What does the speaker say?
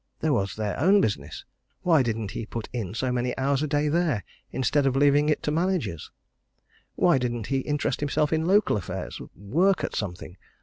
There was their own business why didn't he put in so many hours a day there, instead of leaving it to managers? Why didn't he interest himself in local affairs? work at something?